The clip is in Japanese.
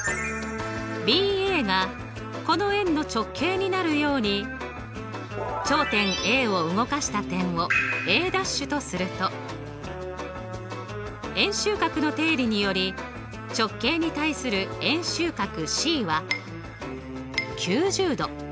ＢＡがこの円の直径になるように頂点Ａを動かした点をＡ’とすると円周角の定理により直径に対する円周角Ｃは９０°。